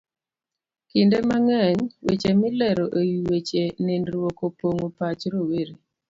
Kinde mang'eny, weche milero e wi weche nindruok opong'o pach rowere.